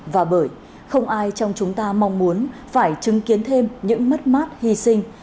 và bởi không ai trong chúng ta mong muốn phải chứng kiến thêm những mất mát hy sinh